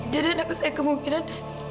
jadi anak saya kemungkinan